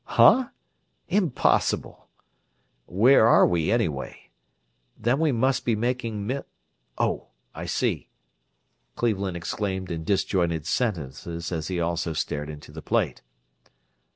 "Huh? Impossible where are we anyway? Then we must be making mil ... Oh, I see!" Cleveland exclaimed in disjointed sentences as he also stared into the plate.